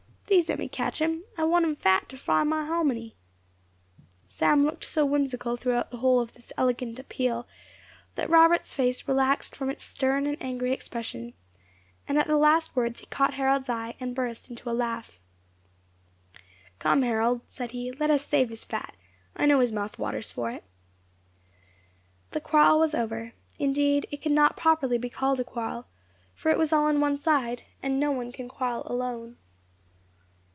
Please let me catch 'em. I want him fat to fry my hominy." [#] Did not I ask you. Sam looked so whimsical throughout the whole of this eloquent appeal, that Robert's face relaxed from its stern and angry expression, and at the last words he caught Harold's eye, and burst into a laugh. "Come, Harold," said he, "let us save his fat; I know his mouth waters for it." The quarrel was over. Indeed it could not properly be called a quarrel, for it was all on one side, and no one can quarrel alone.